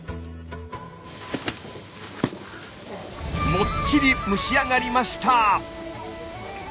もっちり蒸し上がりました！